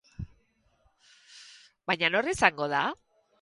Baina nor izango da?